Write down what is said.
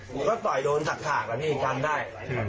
ก็ต่อยโดนถักถากละนี่กรรมได้